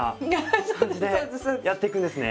やっていくんですね。